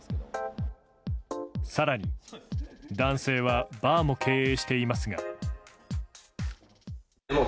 更に、男性はバーも経営していますが。